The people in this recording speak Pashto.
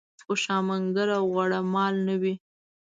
خوشامنګر او غوړه مال نه وي.